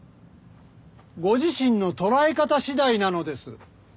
ご自身のとらえ方次第なのです。